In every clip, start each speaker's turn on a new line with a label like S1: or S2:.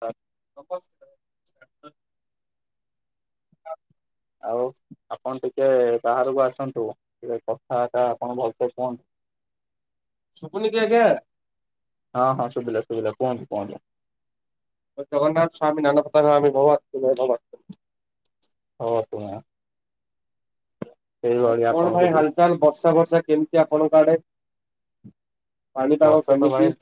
S1: [inaudible]
S2: ଆଉ। ଆପଣ ଟିକେ ବାହାରକୁ ଆସନ୍ତୁ ଟିକେ କଥାଟା ଆପଣ ଭଲସେ କୁହନ୍ତୁ।
S1: ଶୁଭୁନିକି ଆଜ୍ଞା।
S2: ହଁ ହଁ ଶୁଭିଲା ଶୁଭିଲା କୁହନ୍ତୁ କୁହନ୍ତୁ।
S1: ଜଗନ୍ନାଥସ୍ବାାମୀ ନୟନ ପଥ ଗାମୀ ଭଵତୁମେ ଭବ।
S2: ହଉପ। [unintelligible]
S1: ଆଉ କଣ
S2: ଆପଣଙ୍କୁ
S1: ଭାଇ
S2: ବି
S1: ହାଲଚାଲ ବର୍ଷା ବର୍ଷା କେମିତି ଆପଣଙ୍କ ଆଡେ। ପାଣିପାଗ
S2: ବର୍ଷା ତ
S1: କେମିତି?
S2: ଭାଇ।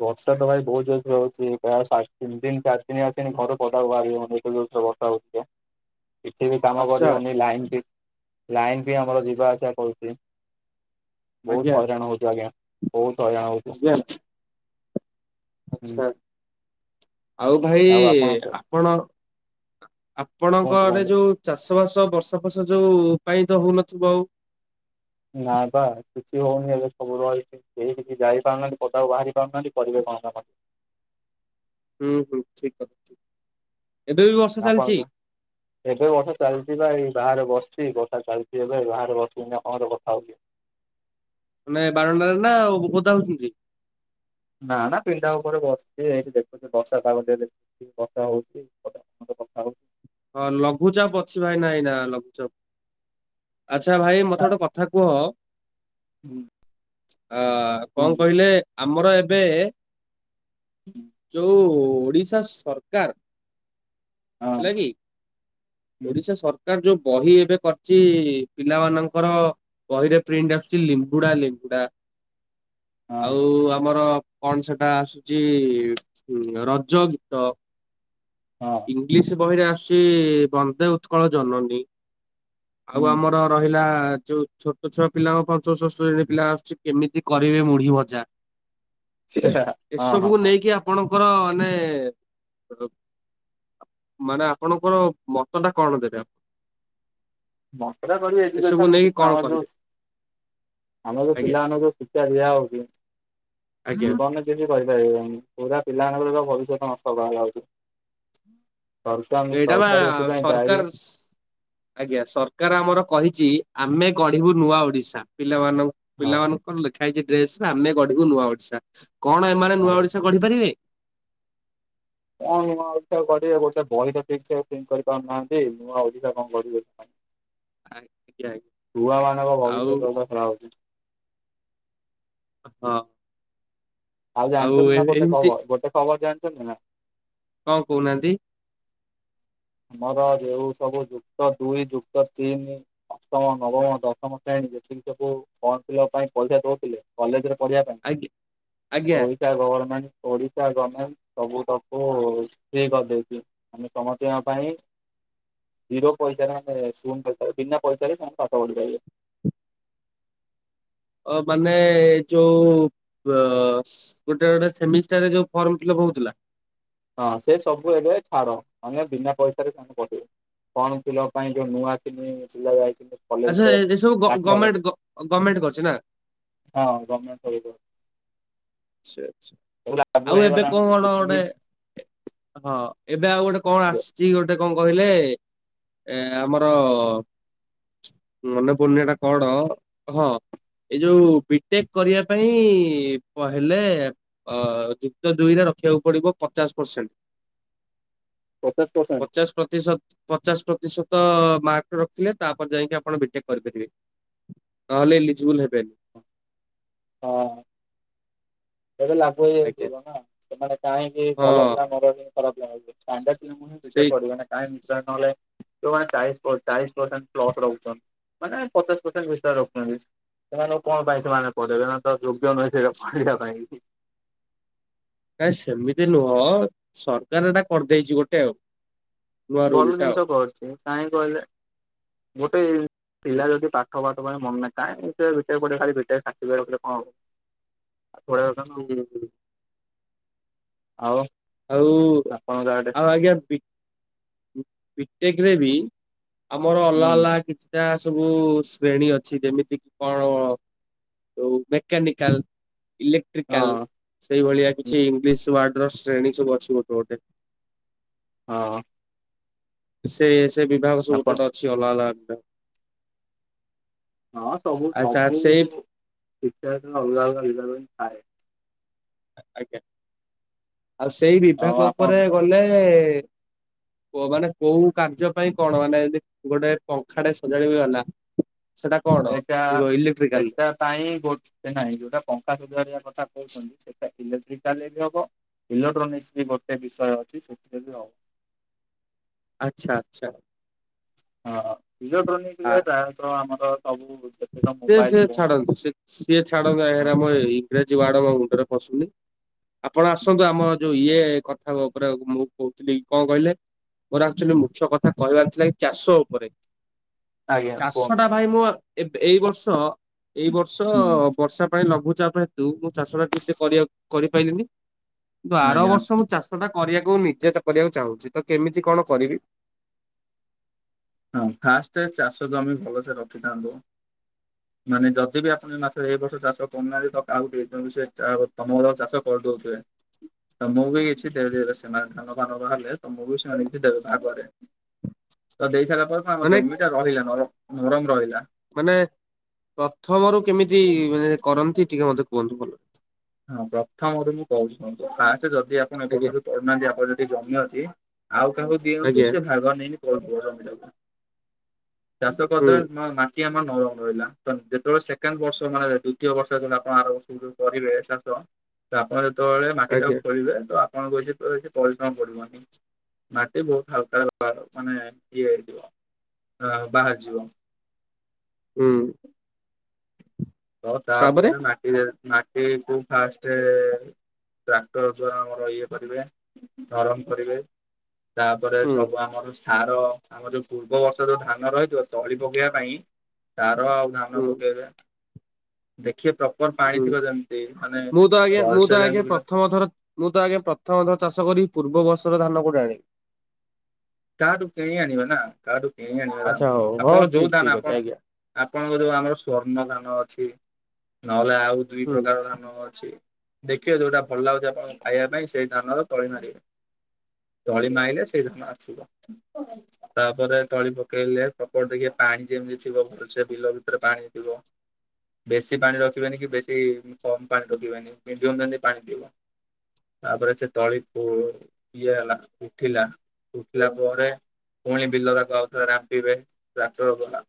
S2: ବର୍ଷା ତ ଭାଇ ବହୁତ ଜୋସରେ ରହୁଛି ପ୍ରାୟାତ ତିନ ଦିନ ଚାରି ଦିନ ଆସନି ଘରୁ ପଦା କୁ ବାହାରି ହଉନି। କିଛି ବି କାମ
S1: ଆଚ୍ଛା
S2: କରିହଉନି ଲାଇନ ବି। ଲାଇନ ବି ଆମର ଯିବା ଆସିବା କରୁଛି
S1: ଆଜ୍ଞା
S2: ବହୁତ ହଇରାଣ ହଉଛି ଆଜ୍ଞା। ବହୁତ ହଇରାଣ। ହଉଛୁ
S1: ଆଜ୍ଞା। [unintelligible]
S2: ହୁଁ।
S1: ଆଚ୍ଛା
S2: [inaudible]
S1: ଆଉ ଭାଇ ଆପଣ
S2: କୁହନ୍ତୁ
S1: ଆପଣଙ୍କଆଡେ
S2: କୁହନ୍ତୁ।
S1: ଯୋଉ। ଚାଷ ବାସ ବର୍ଷା ଫର୍ଷା ଯୋଉ ପାଇଁ ତ ହଉନଥିବ ଆଉ।
S2: ନାଇଁ ବା କିଛି ହଉନି ଏବେ ସବୁ ରହିଛି। କେହି କିଛି ଯାଇପାରୁନାହାନ୍ତି ପଦା କୁ ବାହାରି ପାରୁନାହାନ୍ତି କରିବେ କଣ କାମ।
S1: ହୁଁ ହୁଁ ଠିକ କଥା ଏବେ ବର୍ଷା। ଚାଲିଛି
S2: ଯପଛ। [unintelligible] ଏବେ ବର୍ଷା ଚାଲିଛି ବାଇ ବାହାରେ ବସିଛି ବର୍ଷା ଚାଲିଛି ଏବେ ବାହାରେ ବସିଛିଆପଣଙ୍କ ସହ କଥା ହଉଛି।
S1: ମାନେ ବାରଣ୍ଡାରେ ନା ଓଦା ହଉଛନ୍ତି।
S2: ନା ନା ପିଣ୍ଡା ଉପରେ ବସିଛି ଏଇ ଦେଖୁଛି ବର୍ଷା ପାଗ। ଟେ ବର୍ଷ ହଉଛି ବଷା ହଉଛି। [unintelligible]
S1: ହଁ ଲଘୁଚାପ ଅଛି ଭାଇ ନାଇଁ ନା ଲଘୁଚାପ। ଆଚ୍ଛା ଭାଇ ମତେ ଗୋଟେ କଥା କୁହ ଅ କଣ
S2: କୁହନ୍ତୁ
S1: କହିଲ। ଆମର ଏବେ ଯୋଉ ଓଡିଶା ସରକାର। କାର ହେଲା
S2: ହଁ
S1: କିି?
S2: ହୁଁ
S1: ଓଡିଶା ସରକାର ଯୋଉ ବହି ଏବେ କରିଛି ପିଲାମାନଙ୍କର ବହିରେ ପ୍ରିଣ୍ଟ ଆସୁଛି ଲିମ୍ବୁଡା ଲିମ୍ବୁଡା।
S2: ହଁ
S1: ଆଉ ଆମର କଣ ସେଟା ଆସୁଛି ରଜ ଗୀତ।
S2: ହଁ।
S1: ଇଂଲିଶ ବହିରେ ଆସୁଛି ବନ୍ଦେ ଉତ୍କଳ ଜନନୀ ଆଉ
S2: ହୁଁ
S1: ଆମର ର ହିଲା ଯୋଉ ଛୋଟ ଛୁଆ ପିଲାଙ୍କ ପଞ୍ଚମ ଷଷ୍ଠସେଣୀ ପିଲା ଆସୁଛି କେମିତି କରିବେ ମୁଢି ଭଜା।
S2: ସେୟା ହଁ ହଁ
S1: ଏସବୁକୁ
S2: ହଁ
S1: ନେଇକି ଆପଣଙ୍କର ମାନେ ମାନେ ଆପଣଙ୍କର ମତ ଟା କଣ ଦେବେ ଆ
S2: ମତ କରିବ
S1: ଏସବୁ ନେଇକି କଣ କହିବେ
S2: ଏଜୁକେଶନ [unintelligible] ଆମ ଯୋଉ
S1: ଆଜ୍ଞା
S2: ପିଲାମାନଙ୍କୁ ଶିକ୍ଷା ଦିଆ ହଉଛି
S1: ଆଜ୍ଞା
S2: ଜୀବନ କିଛି କରିପାରିବେନି ପୁରା ପିଲାମାନଙ୍କର ତ ଭବିଷ୍ୟତ ନଷ୍ଟ ବାହାଲା ହଉଛି।
S1: ଏଇଟା ବା
S2: ସରକାର ଏଥିପାଇଁ ଦାୟୀ
S1: ସରକାର ଆଜ୍ଞା, ସରକାର ଆମର କହିଛି ଆମେ ଗଢିବୁ ନୂଆ ଓଡିଶା ପିଲାମାନ
S2: ହଁ
S1: ପିଲାମାନଙ୍କ କଣ ଲେଖା ହେଇଛି ଡ୍ରେସ ରେ ଆମେ ଗଢିବୁ ନୂଆ ଓଡିଶା କଣ ଏମାନେ ନୂଆ
S2: ଆଜ୍ଞା।
S1: ଓଡିଶା ଗଢି ପାରିବେ?
S2: କଣ ନୂଆ ଓଡ଼ିଶା ଗଢିବେ ଗୋଟେ ବହି ତ ଠିକ ସେ ପ୍ରିଣ୍ଟ କରିପାରୁନାହାନ୍ତି ନୂଆ ଓଡିଶା କଣ କରିବେ।
S1: [inaudible] ଆଜ୍ଞା
S2: ଛୁଆ ମାନଙ୍କ
S1: ଆଉ
S2: ଭବିଷ୍ୟତ ସହ ଖେଳା ହୋଉଚି।
S1: ହଁ।
S2: ଆଉ ଜାଣିଛନ୍ତି ନା ଗୋଟେ ଖବର ଗୋଟେ ଖବର ଜାଣିଛନ୍ତି ନା?
S1: କଁ କହୁନାହାନ୍ତି?
S2: ଆମର ଯେଉ ସବୁ ଯୁକ୍ତ ଦୁଇ ଯୁକ୍ତ ତିନି ଅଷ୍ଟମ ନବମ ଦଶମ ଶ୍ରେଣୀ ଯେତିକି ସବୁ ଫମ୍ ଫିଲପ୍ ପାଇଁ ପଇସା ଦଉଥିଲେ। କଲେଜରେ ପଢିବା ପାଇଁ
S1: ଆଜ୍ଞା ଆଜ୍ଞା
S2: ଓଇ। ଗଭରମେଣ୍ଟ ଓଡିଶା ଗମେଣ୍ଟ ସବୁ ତକୁ ଇଏ କରିଦେଇଛି ଆମେ ସମ ସେ ପାଇଁ ଜିରୋ ପଇସାରେ ଆମେ ଶ ପଇସାରେ ବିନା ପଇସାରେ ତାଙ୍କ ପାଠ ପଢି ପାରିବେ।
S1: ଅ ମାନେ ଏ ଯୋଉ ଅ ଗୋଟେ ଗୋଟେ ସେମିଷ୍ଟାର ରେ ଯୋଉ ଫର୍ମ ଫିଲପ୍ ହଉ ଥିଲା।
S2: ହଁ ସେ ସବୁ ଏବେ ଛାଡ, ମାନେ ବିନା ପଇସାରେ [unintelligible] ଫର୍ମ ଫିଲପ୍ ପାଇଁ ଯୋଉ ନୂଆ କିି ପିଲା ଯାଇଛନ୍ତି।
S1: ଆଚ୍ଛା
S2: କଲେଜରେ
S1: ଏସବୁ
S2: ଦାଖଲ ହେବେ
S1: ଗମେଣ୍ଟ ଗମେଣ୍ଟ କରଛି ନା।
S2: ହଁ ଗମେ [unintelligible]
S1: ଆଛା ଆଛା
S2: ସବୁ ଲାଗୁ
S1: ଆଉ ଏବେ
S2: ହେଇଗଲାଣି
S1: କଣ ଗୋଟେ
S2: ଯେତିକି
S1: ହଁ, ଏବେ ଆଉ ଗୋଟେ କଣ ଆସିଛି ଗୋଟେ କଁ କହିଲେ ଏ ଆମର ମନେ ପଡୁନି ଏଟା କଣ ହଁ। ଏଇ ଯୋଉ ବିଟେକ୍ କରିବା ପାଇଁ ହେଲେ ଅ ଯୁକ୍ତ ଦୁଇରେ ରଖିବାକୁ ପଡିବ ପଚାଶ ପରସେଣ୍ଟ।
S2: ପଚାଶ ପରସେଣ୍ଟ
S1: ପଚାଶ ପ୍ରତିଶତ ପଚାଶ ପ୍ରତିଶତ ମାର୍କ ରଖିଲେ ତାପରେ ଯାଇକି ଆପଣ ବିଟେକ୍ କରିପାରିବେ। ହଁ ହେଲେ ଇଲୀଜବୁଲ ହେବେନି।
S2: ହଁ। ସେଇଟା ଲାଗୁ ହେଇ
S1: ଆଜ୍ଞା
S2: ଯାଇଥିବ ନା ସେମାନେ କାହିଁକି
S1: ହଁ
S2: ଭଲ ପିଲା ନରଖି ଖରାପ ପିଲା [unintelligible] ବିଟେକ
S1: ସେଇ
S2: କରିବାନୀ କାହିଁ ମିଛୁଟା ରେ ନହେଲେ ଯଉମାନେ ଚାଳିଶ ଚାଳିଶ ପରସେଣ୍ଟ ପ୍ଲସ ରଖୁଚନ୍ତି ମାନେ ପଚାଶ ପରସେଣ୍ଟ ଭିତରେ ରଖଛନ୍ତି। ସେମାନେ କଣ ପାଇଁ ସେମାନେ ପଢେଇବେ ସମାନେ ତ ଯୋଗ୍ୟ ନୁହେଁ ସେ ପଢିବା ପାଇଁ।
S1: ନାଇଁ ସେମିତି ନୁହଁ ସରକାର ଏଟା କରିଦେଇଛି ଗୋଟେ ଆଉ। ନୂଆ ରୁଲ
S2: ଭଲ
S1: ଟା ଆଉ।
S2: ଜିନିଷ କରୁଛି କାହିଁ କହିଲେ ଗୋଟେ ପିଲା
S1: ହୁଁ
S2: ଯଦି ପା ଠ ପାଠ ମନେ କାଇଁ ଭିତରେ କୋ ଖା ଭଟରେ ସା ରଖିଲେ କଣ ହବ। [inaudible] ପଢେଇବା କଥା ନା
S1: ହୁଁ ହୁଁ
S2: ଆଉ ଆଉ।
S1: ଆଉ
S2: ଆପଣଙ୍କ ଆଡ଼େ
S1: ଆଉ ଆଜ୍ଞା ବିଟେକରେ ବି। ଆମର ଅଲଗା
S2: ହୁଁ
S1: ଅଲଗା କିଛିଟା ସବୁ ଶ୍ରେଣୀ ଅଛି ଯେମିତି କି କଣ। ଯଉ ମେକାନିକାଲ ଇଲେକ୍ଟ୍ରିକାଲ
S2: ହଁ
S1: ସେଇଭଳିଆ କିଛି ଇଂଲିଶ ୱାର୍ଡ ର। ଶ୍ରେଣୀ ସବୁ ଅଛି ଗୋଟେ ଗୋଟେ।
S2: ହଁ।
S1: ସେଇ ସେ ବିଭାଗ ସବ ଗୁଟେ
S2: ଆପଣ
S1: ଗୁଟେ ଅଛି ଅଲଗା ଅଲଗା ସେଟା।
S2: ହଁ ସବୁ ସବୁ ଶିକ୍ଷା ଅଲଗା ଅଲଗା ଅଲଗା ହିଁ ଥାଏ।
S1: ଆଜ୍ଞା ଆଉ ସେଇ
S2: ଆଉ
S1: ବିଭାଗ
S2: ଆପଣ
S1: ଉପରେ ଗଲେ। ମାନେ କୋଉ କାର୍ଯ୍ୟ ପାଇଁ କଣ ମାନେ ଗୋଟେ ପଙ୍ଖାଟେ ସଜାଡିବାକୁ ଗଲା। ସେଟା କଣ
S2: ଏଇଟା
S1: ଯିବ ଇଲେକ୍ଟ୍ରିକାଲ।
S2: ସେଟା ପାଇଁ ନାଇଁ ଯୋଉଟା ପଙ୍ଖା ସୁଧାରିବା କଥା କହୁଛନ୍ତି ସେଇଟା ଇଲେକ୍ଟ୍ରିକା ବି ହବ। ଇଲେକ୍ଟ୍ରୋନିକ୍ସ ବି ଗୋଟେ ବିଷୟ ଅଛି ସେଥିରେ ବି ଆଉ।
S1: ଆଚ୍ଛା ଆଚ୍ଛା।
S2: ହଁ
S1: ଆ
S2: ଇଲେକ୍ଟ୍ରୋନିକ୍ସ ତ ଆମର ସବୁ। ଯେତେକ
S1: ସେ
S2: ମୋବାଇଲ
S1: ସେ
S2: ଫୋନ
S1: ଛାଡ଼ାନ୍ତୁ ସେ ସିଏ ଛାଡନ୍ତୁ ଏ ଆମ ଇଂରାଜୀ ୱାର୍ଡ ଆମ ମୁଣ୍ଡରେ ପଶୁନି ଆପଣ ଆସନ୍ତୁ ଆମ। ଯୋଉ ଇଏ କଥା ଉପରେ ମୁଁ କହୁଥିଲି କଣ କହିଲେ ମୋର ଆକ୍ଚୁଆଲି
S2: ଆଜ୍ଞା
S1: ମୁଖ୍ୟ କଥା। କହିବାର ଥିଲା କି ଚାଷ ଉପରେ ଚାଷ
S2: କୁହନ୍ତୁ।
S1: ଟା ଭାଇ ମୁଁ ଏବେ ଏଇ ବର୍ଷ ଏଇ ବର୍ଷ
S2: ହୁଁ
S1: ବର୍ଷା ପାଇଁ ଲଘୁଚାପ ହେତୁ ମୁଁ ଚାଷ ଟା ଠିକ କରିପାରିଲିନି କିନ୍ତୁ ଆର
S2: ଆଜ୍ଞା
S1: ବର୍ଷ ମୁଁ ଚାଷ ଟା କରିବାକୁ ମୁଁ ନିଜେ କରିବାକୁ ଚାହୁଁଛି ତ କେମିତି କଣ କରିବି।
S2: ହଁ ଫାଷ୍ଟ ଚାଷ ଜମି ଭଲସେ ରଖିଥାନ୍ତୁ। ମାନେ ଯଦି ବି ଆପଣ ଏ ମାସ ଏଇ ବର୍ଷ ଚାଷ କରୁନାହାନ୍ତି ତ କାହାକୁ ଦେଇଦିଅନ୍ତୁ ସେ ତମର ଚାଷ କରିଦଉଥିବେ। ତମକୁ ବି କିଛି ଦେ ଦେରେ ସେମାନେ ଧାନ ଫାନ ହେଲେ ତମକୁ ବି ସେମାନେ କିଛି ଦେବେ ଭାଗରେ। ତ ଦେଇ ସାରିଲା ପରେ ଆମ
S1: ମାନେ
S2: ଜମିଟା ରହିଲା ନର ନରମ ରହିଲା।
S1: ମାନେ ପ୍ରଥମରୁ କେମିତି ମାନେ କରନ୍ତି ଟିକେ ମତେ କୁହନ୍ତୁ ଭଲରେ।
S2: ହଁ ପ୍ରଥମରୁ ମୁଁ କହୁଛି ରୁହନ୍ତୁ ଫାଷ୍ଟ ଯଦି ଆ କଣ
S1: ଆଜ୍ଞା
S2: ବର୍ଷଠୁ ତଡୁନାହାନ୍ତି ଆପଣ ଯଦି ଜମି ଅଛି ଆଉ କାହାକୁ ଦିଅନ୍ତୁ
S1: ଆଜ୍ଞା
S2: ସେ ଭାଗ ନେଇକି ଚାଷ
S1: ହୁଁ
S2: କରିଦଲେ ନ ଆମ ନରମ ରହିଲା ତ ଯେତେବେଳେ ସେକେଣ୍ଡ ବର୍ଷ ମାନେ ଦ୍ଵିତୀୟ ବର୍ଷ ଯେତେବେଳେ ଆପଣ ଆର ବର୍ଷ କରିବେ। ଚାଷ ତ ଆପଣ ଯେତେବେଳେ ମାଟି ଟାକୁ
S1: ଆଜ୍ଞା
S2: ଖୋଳିବେ ତ ଆପଣଙ୍କୁ କିଛି ପରିଶ୍ରମ ପଡିବନି। ମାଟି ବହୁତ ହାଲକା ମାନେ ଇଏ ହେଇଯିବ ଅ ବାହାରିଯିବ।
S1: ହୁଁ।
S2: ହ ତାପରେ ମାଟି ମାଟିକୁୁ ଫାଷ୍ଟ। ଟ୍ରାକ୍ଟର ଦ୍ଵାରା ଆମର ଇଏ କରିବେ ନରମ କରିବେ। ତାପରେ
S1: ହୁଁ
S2: ସବୁ ଆମର। ସାର ଆମର ଯୋଉ ପୂର୍ବବର୍ଷ ଯୋଉ ଧାନ ରହିଥିବ ତଳି ପକେଇବା ପାଇଁ ତାର ଧାନ
S1: ହୁଁ
S2: ପକେଇବେ ଦେଖିବେ ପ୍ରପର ପାଣି
S1: ହୁଁ
S2: ଥିବ ଯେମିତି ମାନେ
S1: ମୁଁ ତ ଆଜ୍ଞା ମୁଁ
S2: ଭଲସେ
S1: ତ ଆଜ୍ଞା
S2: ଯେମିତି ବିଲ
S1: ପ୍ରଥମ ଥର। ମୁଁ ତ ଆଗେ ପ୍ରଥମ ଥର ଚାଷ କରି ପୂର୍ବ ବର୍ଷର ଧାନ କୋଉଠୁ ଆଣିବି।
S2: କାହାଠୁ କିଣି ଆଣିବେ ନା କାହାଠୁ କିଣି ଆଣିବା।
S1: ଆଚ୍ଛା ହଉ ହଉ
S2: ଆପଣଙ୍କ ଯୋଉ
S1: ଠିକ
S2: ଧାନ
S1: ଠିକ ଅଛି
S2: ଆପଣ
S1: ଆଜ୍ଞା
S2: ଆପଣଙ୍କ ଯୋଉ ଆମର ସ୍ଵର୍ଣ୍ଣ କାମ ଅଛି। ନହେଲେ ଆଉ ଦୁଇ
S1: ହୁଁ
S2: ପ୍ରକାର ଧାନ ଅଛି। ଦେଖିବେ ଯୋଉଟା ଭଲ ଲାଗୁଛି ଆପଣଙ୍କୁ ଖାଇବା ପାଇଁ ସେଇ ଧାନର ତଳି ମାରିବେ। ଜଳି ମାଇଲେ ସେଇଟି ଥା ଆସିବ। ତାପରେ ତଳି ପକେଇଲେ ସପଟ ଦେଖି ପାଣି ଯେମିତି ଥିବ ଭଲ ସେ ବିଲ ଭିତରେ ପାଣି ଥିବ। ବେଶୀ ପାଣି ରଖିବାନି କି ବେଶୀ କମ ପାଣି ରଖିବାନି। ମିଡିୟ ଯେମିତି ପାଣିଥିବ। ତାପରେ ସେ ତଳିକୁ କିଏ ହେଲା ଉଠିଲା। ଉଠିଲା ପରେ। ପୁଣି ବିଲ ତାକୁ ଆଉଥିଲା ରାମ୍ପିବେ। ଚାଷ ହବ ପା।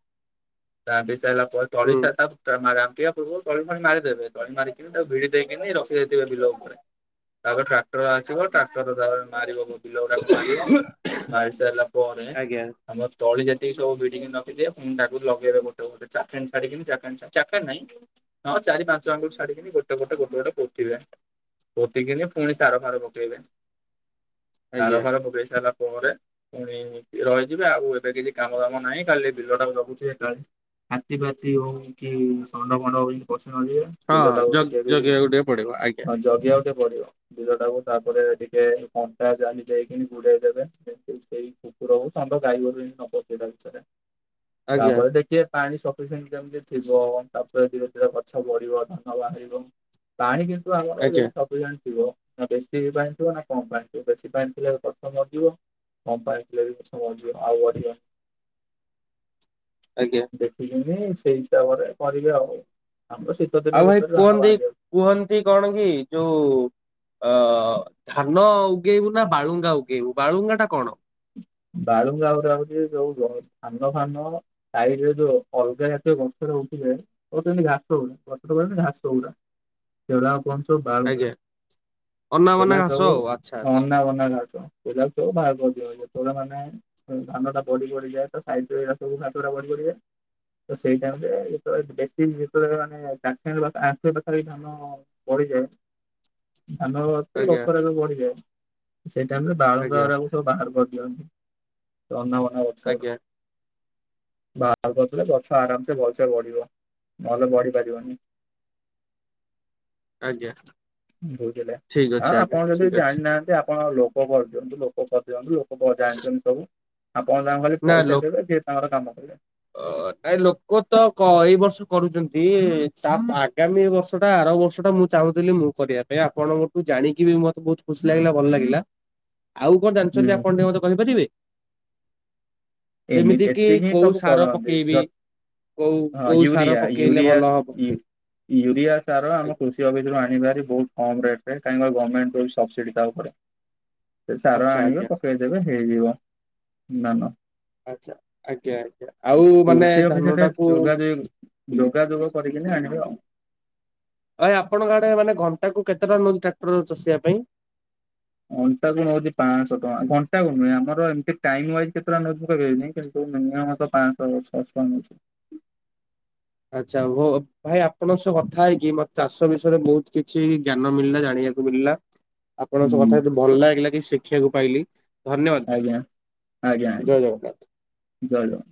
S2: ଦାଣ୍ଡି ସାଇଲା ପରେ ତଳି
S1: ହୁଁ
S2: ସା ପଟ [unintelligible] ତା ମାଆ ଜାଣିଥିବ ପୂର୍ଵ ରୁ ତଳି ଫଳି ମାରିଦେବେ। ତଳି ମାରିକି ତାକୁ ଭିଡି ଦେଇକିନି ରଖି ଦେଇଥିବେ ବିଲ ଉପରେ। ତାପରେ ଟ୍ରାକ୍ଟର ଆସିବ ଟ୍ରାକ୍ଟର ତାପରେ ମାରିବ ବିଲ ଗୁଡାକୁ ମାରିବ। ମାରି ସାଇଲା ପରେ।
S1: ଆଜ୍ଞା
S2: ଆମ ତଳି ଯେତିକି ସବୁ ବିଡିଗି ରଖିଥିବେ ପୁଣି ଟାକୁ ଲଗେଇବେ ଗୋଟେ ଗୋଟ। ଚାଖେଡେ ଛାଡିକି ନି ଚାଖେଡେ ନାଇଁ। ହଁ ଚାରି ପାଞ୍ଚାଆଙ୍ଗୁ ଛାଡ଼ିକି ଗଟେ ଗୋଟେ ଗଟେ ପୋ ତିବେ। ପୋତିକିନି ପୁଣି ସାର ଫାର ପକେଇବେ।
S1: ଆଜ୍ଞା
S2: ସାର ଫାର ପକେଇ ସାରି ପରେ ପୁଣି ରହିଯିବେ ଆଉ ଏବେ କିଛି କାମ ଦାମ ନାହିଁ କାଲି ବିଲଟା କୁ ଜଗୁଥିବେ କାଳେ ହାତୀ ପାତି ହଉ କି ଷଣ୍ଡ ଫଣ୍ଡ ହଉ ପସି ନ ଯିବେ।
S1: ହଁ। ଜଗ ଜଗିବା କୁ ଟିକେ ପଡିବ ଆଜ୍ଞା।
S2: ଜଗିଆ ବାକୁ ଟିକେ ପଡିବ। ବିଲ ଟାକୁ ତାପରେ ଟିକେ କଣ୍ଟା ଜାଲି ଦେଇକି ଗୁଡେଇ ଦେବେ। ସେଇ କୁକୁର ହଉ ଷଣ୍ଡ ଗାଈ ଗୋରୁ ଯେମିତି ନ ପଶିବେ ଭିତରେ।
S1: ଆଜ୍ଞା
S2: ତାପରେ ଦେଖିବେ। ପାଣି ସଫିସେଣ୍ଟ କେମିତି ଥିବ। ତାପରେ ଧୀରେ ଧୀରେ ଗଛ ବଢିବ ଧାନ ବାହାରିବ। ପାଣି କିନ୍ତୁ ଆମର
S1: ଆଜ୍ଞା
S2: ଯଦି ସବୁ ଜାଣିଥିବ ନା ବେଶୀ ପାଣିଥିବ ନା କମପାଣି ଥିବ ବେଶୀ ପାଣି ଥିଲେ ଗଛ ମରିଯିବ। ଯଦି କମ ପାଣି ଥିଲେ ବି ଗଛ ମରିଯିବ ଆଉ ବଢିବନି।
S1: ଆଜ୍ଞା।
S2: ଦେଖିକିନି ସେଇ ହିସାବରେ କରିବେ ଆଉ। ଆମର ସେଇ
S1: ଆଉ ଭାଇ କୁହନ୍ତି କୁହନ୍ତି କଣ କି ଯୋଉ? ଅ ଧାନ ଉଗେଇବୁ ନା ବାଳୁଙ୍ଗା ଉଗେଇବୁ ବାଳୁଙ୍ଗା ଟା କଣ?
S2: ବାଳୁଙ୍ଗା ଗୁରା ହଉଛି ଯୋଉ ଯ ଧାନ ଫାନ। ସାଇଟ୍ ଯୋଉ ଅଲଗା ଜାତୀୟ ଗଛ ର ଉଠିଲେ। କହୁଛନ୍ତି ଘାସ ହଉନି। ପତ୍ର କୁ ଘାସ ଗୁଡା। ସେଗୁଡା ସବୁ କୁହନ୍ତି ସବୁ ବାଳୁଙ୍ଗା।
S1: ଆଜ୍ଞା ଅନାବନା
S2: ସେଇଟା
S1: ଘାସ
S2: ସବୁ
S1: ଆଉ ଆଚ୍ଛା
S2: ଅନା ବନା ଘାସ। ସେଗୁଡା ସବୁ ବାହାର କରିଦିଅନ୍ତି। ସେଗୁଡା ମାନେ ଧାନ ଟା ବଢି ବଢିଯାଏ ତା ସାଇଟିରେ ରେ ଏ ସବୁ ଘାସ ବଢି ବଢିଯାଏ। ତ ସେଇ ଟାଇମିରେ ଯେତେବେଳେ ବେଶୀନି ଯେତେବେଳେ ମାନେ ଚାଖେଡେ ଆଚ ପାଖରେ ଧାନ। ପଡିଯାଏ। ଧାନ।
S1: ଆଚ୍ଛା
S2: ଗତରେବି ବଢିଯାଏ। ସେଇ ଟାଇମିରେ
S1: ଆଜ୍ଞା
S2: ବାଳୁଙ୍ଗାଗୁରାକୁସବୁ ବାହାର କରି ଦିଅନ୍ତି। ତ ଅନାବନା ଗଛ
S1: ଆଜ୍ଞା ଆଜ୍ଞା
S2: ଗୁରାକୁ ବାହାର କରିଥିଲେ ଗଛ ଆରାମସେ ଭଲ ରେ ବଢିବ ନହେଲେ ବଢି ପାରିବନି।
S1: ଆଜ୍ଞା।
S2: ଭୋଜେଟା
S1: ଠିକ
S2: ଆ
S1: ଅଛି ଆଜ୍ଞା
S2: ଆପଣ ଯଦି
S1: ଠିକ ଅଛି
S2: ଜାଣିନାହାନ୍ତି ଆପଣ ଲୋକ କରିଦିଅନ୍ତୁ ଲୋକ କରିଦିଅନ୍ତୁ। ଲୋକ ଜାଣିଛନ୍ତି ସବୁ। ଆପଣ ତାଙ୍କୁ ଖାଲି ପଇସା ଦେବେ ସିଏ ତାଙ୍କର କାମ କରିବେ।
S1: ଓଃ ତ। ଭାଇ ଲୋକ ତ କ ଏଇ ବର୍ଷ କରୁଛନ୍ତି। ତା ଆଗାମୀ ବର୍ଷଟା ଆର ବର୍ଷ ଟା ମୁଁ ଚାହୁଁଥିଲି ମୁଁ କରିବା ପାଇଁ ଆପଣଙ୍କଠୁ ଜାଣିକି ବି ମତେ ବହୁତ ଖୁସି ଲାଗିଲା ଭଲ ଲାଗିଲା। ଆଉ କଣ
S2: ହୁଁ
S1: ଜାଣିଛନ୍ତି ଆପଣ ଟିକେ ମତେ କହିପାରିବେ? ଯେମିତି
S2: ଏମିତି
S1: କି
S2: ଏତିକି
S1: କୋଉ
S2: ସବୁ
S1: ସାର
S2: କରନ୍ତି
S1: ପକେଇବି
S2: ଯ
S1: କୋଉ କୋଉ ସାର
S2: ୟୁରିଆ
S1: ପକେଇଲେ ଭଲ
S2: ୟୁରିଆ
S1: ହବ?
S2: ସ ୟୁ ୟୁରିଆ ସାର ଆମ
S1: ଆଜ୍ଞା
S2: କୃଷି ଅଫିସ ରୁ ଆଣିବାର ବହୁତ କମ ରେଟ୍ ରେ କାହିଁନା ଗମେଟ୍ ଦଉଛି ସବସିଡ଼ି ତା ଉପରେ। ସେ ସାର
S1: ଆଚ୍ଛା
S2: ଆଣବେ
S1: ଆଜ୍ଞା
S2: ପକେଇ ଦେବେ ହେଇଯିବ ଧାନ।
S1: ଆଛା ଆଜ୍ଞା ଆଜ୍ଞା ଆଉ ମାନେ
S2: କୃଷି
S1: ଧାନ
S2: ଅଫିସରେ
S1: ଟାକୁ
S2: ଯୋଗାଯୋଗ ଯୋଗାଯୋଗ କରିକିନା ଆଣିବେ ଆଉ।
S1: ଭାଇ ଆପଣଙ୍କ ଆଡେ ମାନେ ଘଣ୍ଟା କୁ କେତେ ଟାଙ୍କା ନଉଛି ଟ୍ରାକ୍ଟର ଚଷିବା ପାଇଁ?
S2: ଘଣ୍ଟା କୁ ନଉଛି ପାଞ୍ଚଶହ ଟଙ୍କା। ଘଣ୍ଟା କୁ ନୁହେଁ ଆମର ଏମତି ଟାଇମ୍ ଓାଇଜା କେତେ ଟଙ୍କା ନଉଚି କହିପାରିବିନି କି ମିନିମମ୍ ତ ପାଞ୍ଚଶହ ଛଅଶହ ନଉଛି।
S1: ଆଛା ଭୋ ଭାଇ ଆପଣଙ୍କ ସହ କଥା ହେଇକି ମତେ ଚାଷ ବିଷୟରେ ବହୁତ କିଛି ଜ୍ଞାନ ମିଳିଲା ଜାଣିବାକୁ ମିଳିଲା। ଆପଣଙ୍କ ସହ
S2: ହୁଁ
S1: କଥା ହେଇକି ଭଲ ଲାଗିଲା କିଛି ଶିଖିବାକୁ ପାଇଲି। ଧନ୍ୟବାଦ ଭାଇ
S2: ଆଜ୍ଞା ଆଜ୍ଞା ଆଜ୍ଞା
S1: ଜୟ ଜଗନ୍ନାଥ।
S2: ଜୟ ଜଗନ୍ନାଥ।